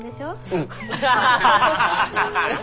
うん。